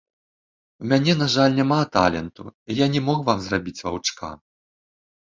У мяне, на жаль, няма таленту, і я не мог вам зрабіць ваўчка.